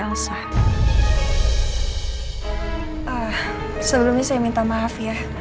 aku sudah pernah n relate kemuvidom classmates malam